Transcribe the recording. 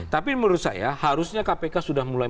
tapi menurut saya harusnya kpk sudah mulai